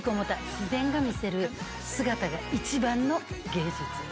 自然が見せる姿が一番の芸術。